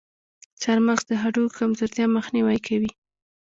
چارمغز د هډوکو کمزورتیا مخنیوی کوي.